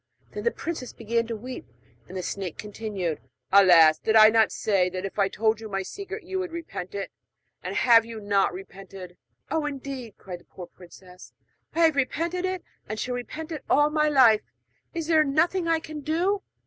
Then the princess began to weep; and the snake continued: 'Alas! did I not say that if I told you my secret you would repent it? and have you not repented?' 'Oh, indeed!' cried the poor princess, 'I have repented it, and shall repent it all my life! Is there nothing I can do?'